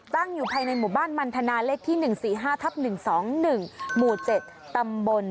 ตั้งอยู่ภายในหมู่บ้านมันทนาเลขที่๑๔๕ทับ๑๒๑หมู่๗ตำบล